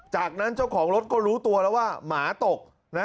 จากนั้นเจ้าของรถก็รู้ตัวแล้วว่าหมาตกนะ